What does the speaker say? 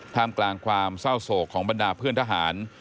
กลางความเศร้าโศกของบรรดาเพื่อนทหาร